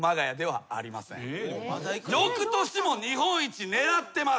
よくとしも日本一狙ってます。